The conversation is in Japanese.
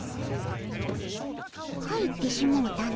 入ってしもうたの。